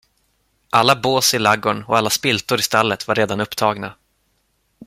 Alla bås i lagården och alla spiltor i stallet var redan upptagna.